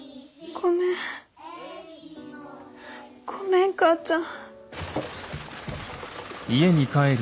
ごめん母ちゃん。